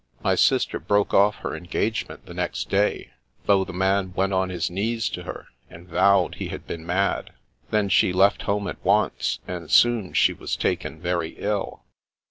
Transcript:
My sister broke off her engagement the next day, though the man went on his loiees to her, and vowed he had been mad. Then she left home at once, and soon she was taken very ill."